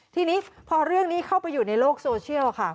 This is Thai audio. ทีนี้พอเรื่องนี้เข้าไปอยู่ในโลกโซเชียลค่ะ